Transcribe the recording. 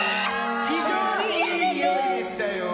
非常にいいにおいでしたよ。